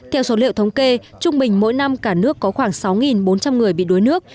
theo số liệu thống kê trung bình mỗi năm cả nước có khoảng sáu bốn trăm linh người bị đuối nước